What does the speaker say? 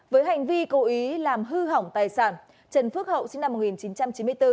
với hành vi cố ý làm hư hỏng tài sản trần phước hậu sinh năm một nghìn chín trăm chín mươi bốn